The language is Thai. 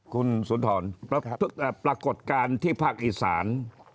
คุณสุนทรปรากฏการณ์ที่ภาคอีสาน